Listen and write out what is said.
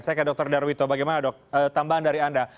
saya ke dr darwito bagaimana dok tambahan dari anda